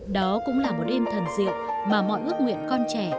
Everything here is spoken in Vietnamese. đó cũng là một đêm thần diệu mà mọi ước nguyện con trẻ